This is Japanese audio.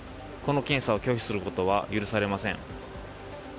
この検査を拒否することは許されません。